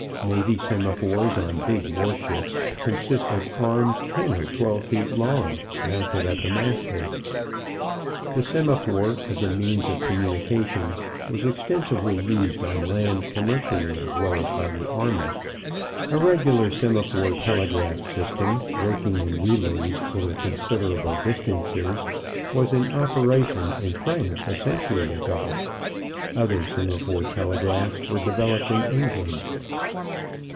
Navy semaphores on big war ships consist of arms ten or twelve feet long mounted at the masthead. The semaphore as a means of communication was extensively used on land commercially as well as by the army. A regular semaphore telegraph system, working in relays over considerable distances was in operation in France a century ago. Other semaphore telegraphs were developed in England.